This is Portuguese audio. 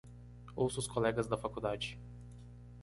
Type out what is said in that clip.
Ouça os colegas da faculdade